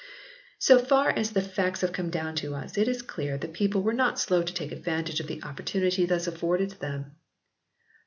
So far as the facts have come down to us, it is clear the people were not slow to take advantage of the oppor tunity thus afforded to them.